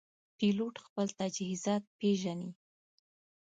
پیلوټ خپل تجهیزات پېژني.